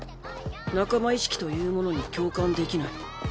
仲間意識というものに共感できない。